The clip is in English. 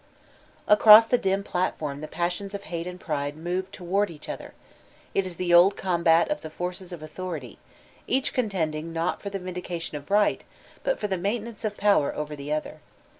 Across the dim platform the Passions of hate and pride move toward each other; it is the old combat of the forces of Authority, each contending not for the vindication of right, but for the maintenance of power over the other.